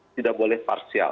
tidak boleh parsial